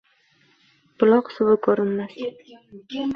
Buloq suvi ko‘rinmas